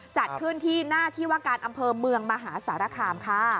จัดขึ้นที่หน้าที่ว่าการอำเภอเมืองมหาสารคามค่ะ